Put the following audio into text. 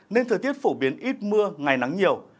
nên thời tiết phổ biến ít mưa ngày nắng nhiều